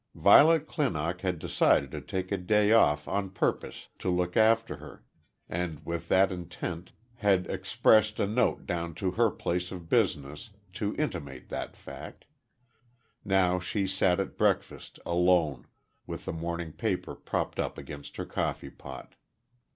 Violet Clinock had decided to take a day off on purpose to look after her, and with that intent had "expressed" a note down to her place of business to intimate that fact. Now she sat at breakfast, alone, with the morning paper propped up against her coffee pot.